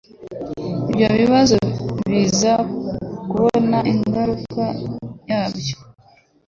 Ibyo bibazo biza kubona ingaruka yabyo.